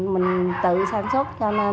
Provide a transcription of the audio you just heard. mình tự sản xuất cho nên